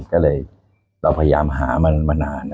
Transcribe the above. ก็เลยเราพยายามหามันมานาน